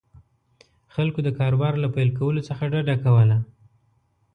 خلکو د کاروبار له پیل کولو څخه ډډه کوله.